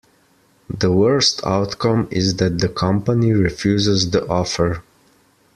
The worst outcome is that the company refuses the offer.